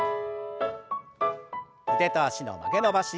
腕と脚の曲げ伸ばし。